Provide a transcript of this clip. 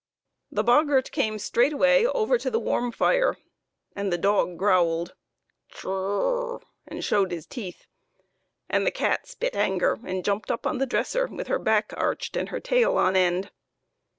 The boggart came straightway over to the warm fire, and the dog growled "chur r r r!" and showed his teeth, and the cat spit anger and jumped up on the dresser, with her back arched and her tail on end.